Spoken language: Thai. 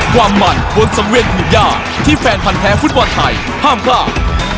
ความมันบนสังเวียนหุ่นย่าที่แฟนพันธ์แพ้ฟุตบอลไทยห้ามพลาด